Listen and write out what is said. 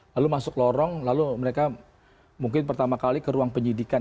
lalu masuk lorong lalu mereka mungkin pertama kali ke ruang penyidikan